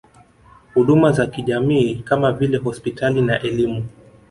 Huduma za kijamii kama vile hospitali na elimu